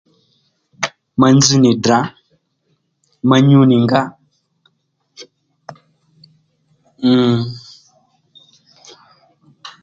Ma nzz nì Ddrà ma nyu nì nga mm